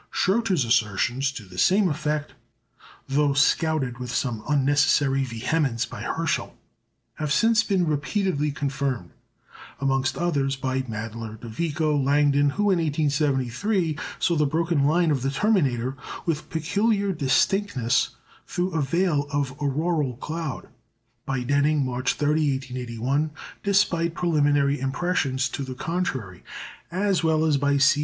Schröter's assertions to the same effect, though scouted with some unnecessary vehemence by Herschel, have since been repeatedly confirmed; amongst others by Mädler, De Vico, Langdon, who in 1873 saw the broken line of the terminator with peculiar distinctness through a veil of auroral cloud; by Denning, March 30, 1881, despite preliminary impressions to the contrary, as well as by C. V.